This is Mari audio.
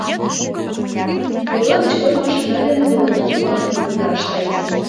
— Ола гыч кок машина дене толыныт, — куанен увертарыш Таис.